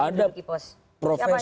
ada yang bisa jadi penasaran gitu untuk